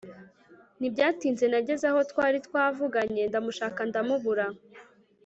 Ntibyatinze nageze aho twari twavuganye ndamushaka ndamubura